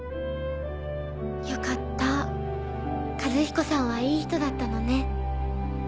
よかった和彦さんはいい人だったのね。